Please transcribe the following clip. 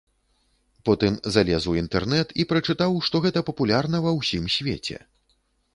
Потым залез у інтэрнэт і прачытаў, што гэта папулярна ва ўсім свеце.